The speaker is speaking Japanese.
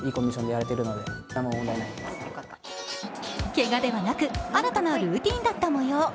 けがではなく、新たなルーチンだったもよう。